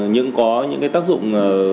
nhưng có những cái tác dụng